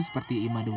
seperti iman dhani